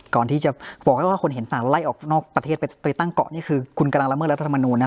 ก่อนที่จะบอกให้ว่าคนเห็นต่างไล่ออกนอกประเทศไปตั้งเกาะนี่คือคุณกำลังละเมิดรัฐธรรมนูลนะ